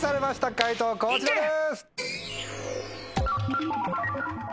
解答こちらです。